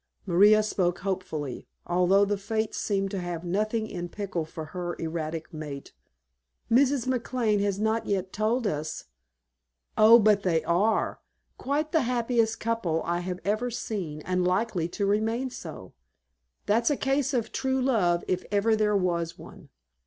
Maria spoke hopefully, although the fates seemed to have nothing in pickle for her erratic mate. "Mrs. McLane has not yet told us " "Oh, but they are! Quite the happiest couple I have ever seen, and likely to remain so. That's a case of true love if ever there was one.